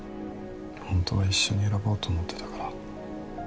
「ほんとは一緒に選ぼうと思ってたから」